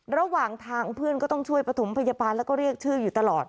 ระหว่างทางเพื่อนก็ต้องช่วยประถมพยาบาลแล้วก็เรียกชื่ออยู่ตลอด